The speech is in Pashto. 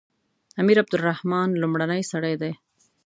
امیر عبدالرحمن لومړنی سړی دی.